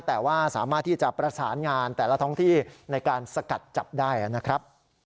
แต่ว่าสามารถที่จะประสานงานแต่ละท้องที่ในการสกัดจับได้นะครับ